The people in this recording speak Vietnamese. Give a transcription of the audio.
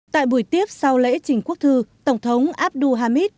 tại buổi tiếp sau lễ trình quốc thư tổng thống abdul hamid